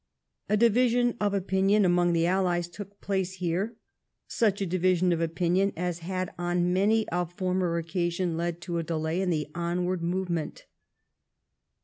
A division of opinion among the Allies took place here — such a division of opinion as had on many a former occasion led to a delay in the onward movement.